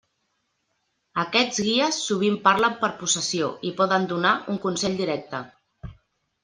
Aquests guies sovint parlen per possessió, i poden donar un consell directe.